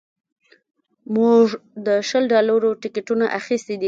موږ د شل ډالرو ټکټونه اخیستي دي